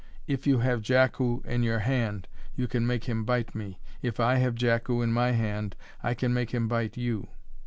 "if you have Jackoo in your hand, you can make him bite me; if I have Jackoo in my hand, I can make him bite you."